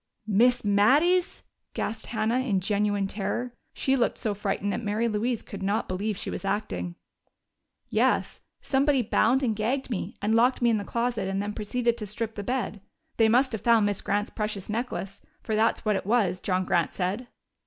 "Miss Mattie's?" gasped Hannah, in genuine terror. She looked so frightened that Mary Louise could not believe she was acting. "Yes. Somebody bound and gagged me and locked me in the closet and then proceeded to strip the bed. They must have found Miss Grant's precious necklace for that's what it was, John Grant said."